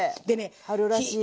春らしい。